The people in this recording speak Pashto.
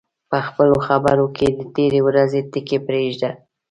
په خپلو خبرو کې د تېرې ورځې ټکي پرېږده